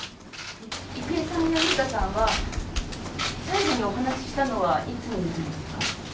郁恵さんや裕太さんは、最後にお話したのはいつになるんですか。